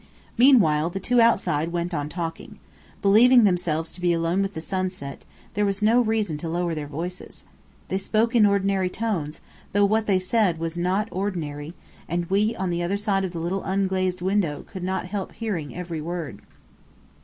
Meanwhile, the two outside went on talking. Believing themselves to be alone with the sunset, there was no reason to lower their voices. They spoke in ordinary tones, though what they said was not ordinary; and we on the other side of the little unglazed window could not help hearing every word.